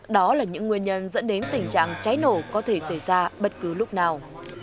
đó là những nguyên nhân dẫn đến tình trạng cháy nổ có thể xảy ra bất cứ lúc nào